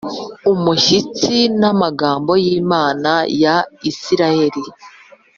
umushyitsi n amagambo y Imana ya Isirayeli